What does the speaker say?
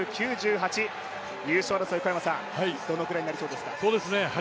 優勝争い、どのぐらいになりそうですか？